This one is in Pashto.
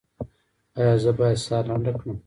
ایا زه باید ساه لنډه کړم؟